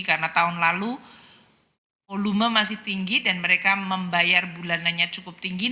karena tahun lalu volume masih tinggi dan mereka membayar bulanannya cukup tinggi